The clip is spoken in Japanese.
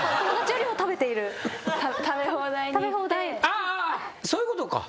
ああそういうことか。